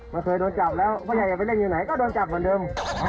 เมื่อเธอโดนจับแล้วพ่อยายอยากไปเล่นอยู่ไหนก็โดนจับเหมือนเดิม